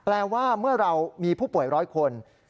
ว่าเมื่อเรามีผู้ป่วย๑๐๐คน